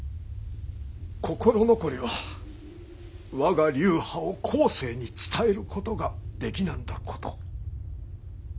心残りは我が流派を後世に伝えることができなんだこと。